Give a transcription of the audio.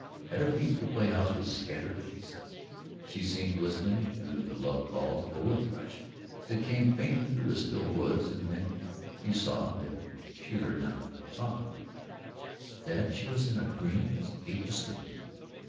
At her feet, the play house was scattered to pieces. She seemed listening to the love calls of a woodthrush that came faintly through the still woods, and then he saw that she heard nothing, saw nothing that she was in a dream as deep as sleep.